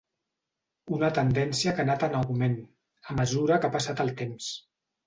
Una tendència que ha anat en augment, a mesura que ha passat el temps.